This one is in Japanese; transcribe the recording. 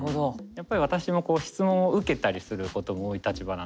やっぱり私も質問を受けたりすることも多い立場なんですけど